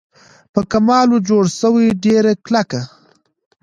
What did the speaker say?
په کمال وه جوړه سوې ډېره کلکه